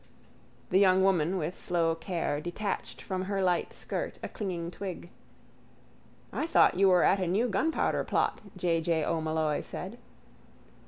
The young woman with slow care detached from her light skirt a clinging twig. —I thought you were at a new gunpowder plot, J. J. O'Molloy said.